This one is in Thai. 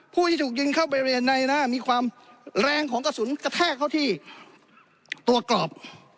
ผู้ที่ถูกยิงเข้าไปบริเวณในหน้ามีความแรงของกระสุนกระแทกเข้าที่ตัวกรอบ